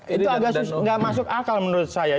itu agak susah tidak masuk akal menurut saya